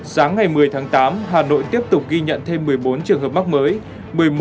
sáng ngày một mươi tháng tám hà nội tiếp tục ghi nhận thêm một mươi bốn trường hợp mắc mới